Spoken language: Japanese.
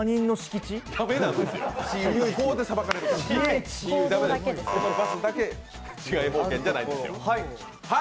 そのバスだけ治外法権じゃないですよ。